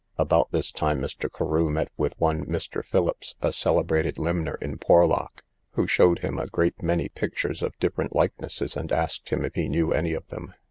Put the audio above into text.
About this time Mr. Carew met with one Mr. Philips, a celebrated limner in Porlock, who showed him a great many pictures of different likenesses, and asked him if he knew any of them.